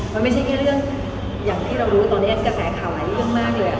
มันไม่ใช่แค่เรื่องอย่างที่เรารู้ตอนนี้กระแสข่าวหลายเรื่องมากเลย